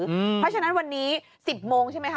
เพราะฉะนั้นวันนี้๑๐โมงใช่ไหมค